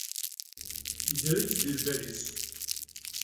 Yegra-tt deg lbal-is.